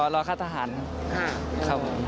รอค่าทหารครับผม